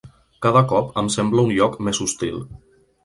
Cada cop em sembla un lloc més hostil.